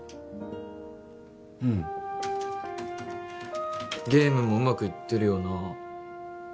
うんゲームもうまくいってるよな